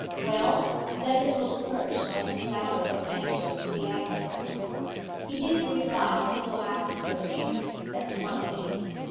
'Well, let us look first at his letter of answer to the advertisement. He didn't reply till the last insertion; that's one thing.